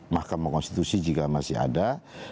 mahkamah konstitusi jika masih ada